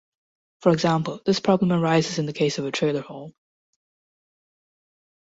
For example, this problem arises in the case of a trailer home.